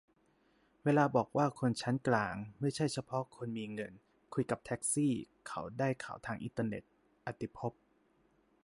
"เวลาบอกว่าคนชั้นกลาง ไม่ใช่เฉพาะคนมีเงิน คุยกับแท็กซี่ เขาได้ข่าวทางอินเทอร์เน็ต" - อติภพ